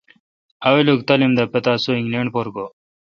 اولوک تعلیم دا پتا سو انگینڈ پر گو۔